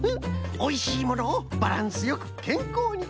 おいしいものをバランスよくけんこうに！